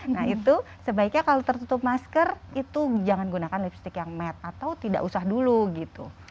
nah itu sebaiknya kalau tertutup masker itu jangan gunakan lipstick yang mat atau tidak usah dulu gitu